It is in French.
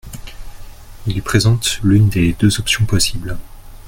Il présente l’une des deux options possibles.